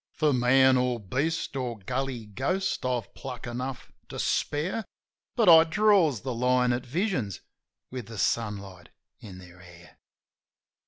For man or beast or gully ghost I've pluck enough to spare; But I draws the line at visions with the sunlight in their hair.